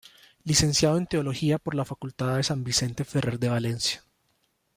Licenciado en Teología por la Facultad de San Vicente Ferrer de Valencia.